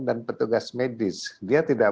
dan petugas medis dia tidak